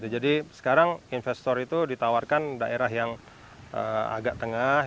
jadi sekarang investor itu ditawarkan daerah yang agak tengah